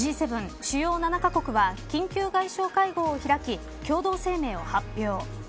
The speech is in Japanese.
主要７カ国は緊急外相会合を開き共同声明を発表。